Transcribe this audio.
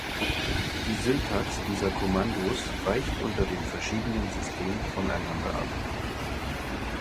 Die Syntax dieser Kommandos weicht unter den verschiedenen Systemen voneinander ab.